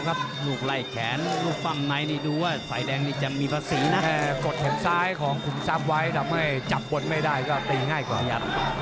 กดแขนซ้ายของคุณซับไว้จำแบบไม่ได้จะปีง่ายกว่า